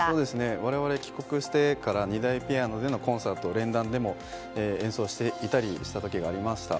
我々、帰国してから２台ピアノでのコンサート連弾でも演奏していたりした時がありました。